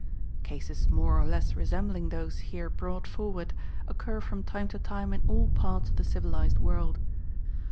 (Cases more or less resembling those here brought forward occur from time to time in all parts of the civilized world.